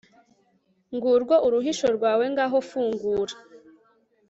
ngurwo uruhisho rwawe, ngaho fungura